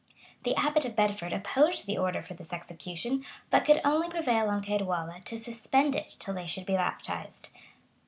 The abbot of Bedford opposed the order for this execution; but could only prevail on Ceadwalla to suspend it till they should be baptized.